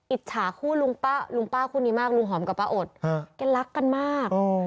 อิจฉาคู่คู่ลุงป่ากี่มาก